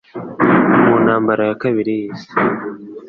mu ntambara ya kabiri y'isi.